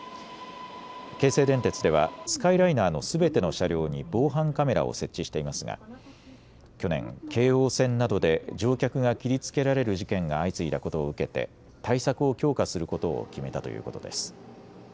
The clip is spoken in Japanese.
京成電鉄ではスカイライナーのすべての車両に防犯カメラを設置していますが去年、京王線などで乗客が切りつけられる事件が相次いだことを受けて対策を強化することを決めたということです。